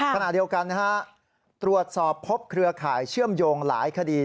ขณะเดียวกันนะฮะตรวจสอบพบเครือข่ายเชื่อมโยงหลายคดี